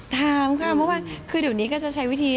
ถามค่ะเมื่อวานคือเดี๋ยวนี้ก็จะใช้วิธี